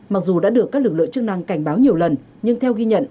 mặc dù đã được các lực lượng chức năng cảnh báo nhiều lần nhưng theo ghi nhận